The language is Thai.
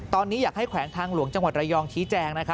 ตอนนี้อยากให้แขวงทางหลวงจังหวัดระยองชี้แจง